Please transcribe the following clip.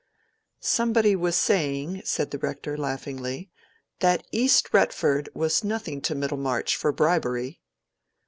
"Somebody was saying," said the Rector, laughingly, "that East Retford was nothing to Middlemarch, for bribery."